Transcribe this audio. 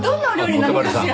小手鞠さん。